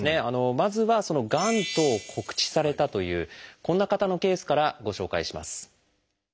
まずはがんと告知されたというこんな方のケースからご紹介します。